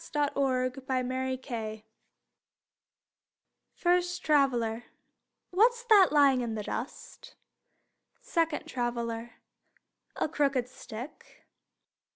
THE CROOKED STICK First Traveler: What's that lying in the dust? Second Traveler: A crooked stick.